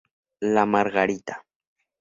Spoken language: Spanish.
La Margarita.